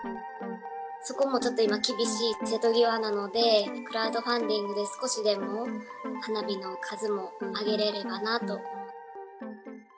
そこもちょっと今、厳しい瀬戸際なので、クラウドファンディングで少しでも、花火の数も上げれればなと。